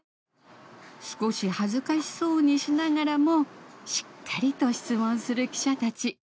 少し恥ずかしそうにしながらもしっかりと質問する記者たち。